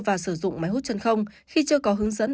và sử dụng máy hút chân không khi chưa có hướng dẫn